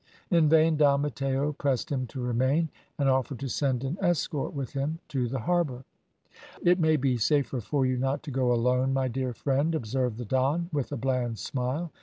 In vain Don Matteo pressed him to remain, and offered to send an escort with him to the harbour. "It may be safer for you not to go alone, my dear friend," observed the Don, with a bland smile.